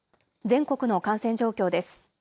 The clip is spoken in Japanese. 全国の感染状況です。